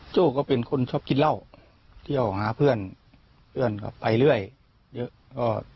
โจ้ก็เป็นคนชอบกินเหล้าเที่ยวหาเพื่อนเพื่อนก็ไปเรื่อยเยอะ